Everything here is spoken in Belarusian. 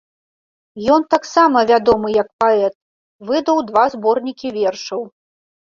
Ён таксама вядомы як паэт, выдаў два зборнікі вершаў.